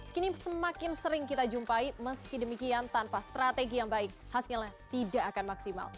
kini semakin sering kita jumpai meski demikian tanpa strategi yang baik hasilnya tidak akan maksimal